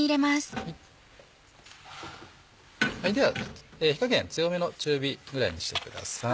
では火加減強めの中火ぐらいにしてください。